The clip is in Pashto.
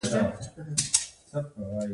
انګور د افغانستان د زرغونتیا نښه ده.